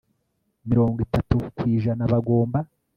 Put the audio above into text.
mirongo itatu ku ijana bagomba